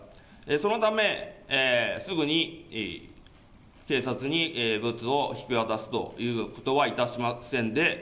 そのため、すぐに警察にブツを引き渡すということはいたしませんで。